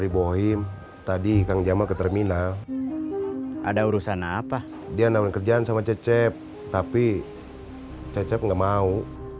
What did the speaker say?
dibohim tadi kang jamal ke terminal ada urusan apa dia namanya kerjaan sama cecep tapi cecep nggak mau